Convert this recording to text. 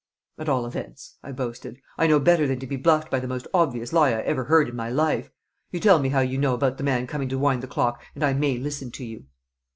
"At all events," I boasted, "I know better than to be bluffed by the most obvious lie I ever heard in my life. You tell me how you know about the man coming to wind the clock, and I may listen to you."